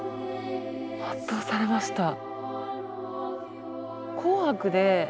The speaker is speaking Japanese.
圧倒されました。